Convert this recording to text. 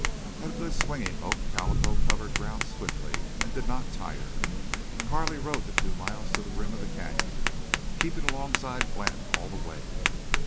At a good swinging lope Calico covered ground swiftly and did not tire. Carley rode the two miles to the rim of the canyon, keeping alongside of Glenn all the way.